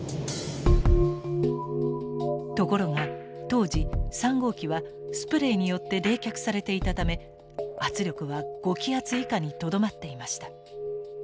ところが当時３号機はスプレイによって冷却されていたため圧力は５気圧以下にとどまっていました。